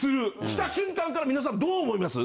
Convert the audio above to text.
した瞬間から皆さんどう思います？